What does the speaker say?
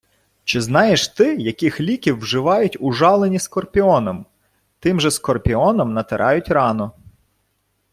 Чи знаєш ти, яких ліків вживають ужалені скорпіоном? Тим же скорпіоном натирають рану.